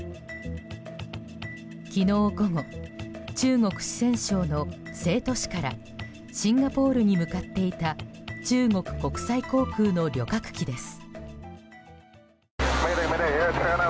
昨日午後中国・四川省の成都市からシンガポールに向かっていた中国国際航空の旅客機です。